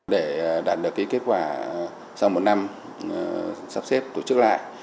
để đạt được kết quả sau một năm sắp xếp tổ chức lại